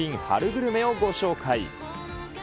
春グルメをご紹介。